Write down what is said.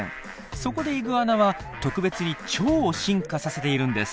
そこでイグアナは特別に腸を進化させているんです。